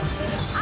あ！